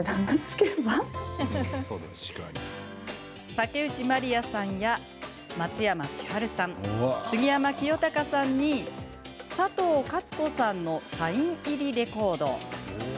竹内まりやさんや松山千春さん、杉山清貴さんに佐藤勝子さんのサイン入りレコード。